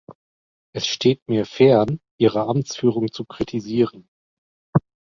Es steht mir fern, Ihre Amtsführung zu kritisieren.